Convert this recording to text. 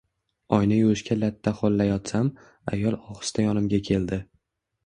Oyna yuvishga latta ho`llayotsam, ayol ohista yonimga keldi